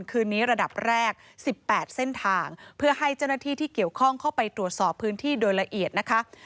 คืนนี้ระดับแรก๑๘เส้นทางเพื่อให้เจ้าหน้าที่ที่เกี่ยวข้องเข้าไปตรวจสอบพื้นที่โดยละเอียดนะคะ